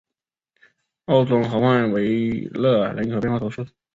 奥宗河畔维勒人口变化图示